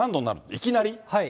いきなり？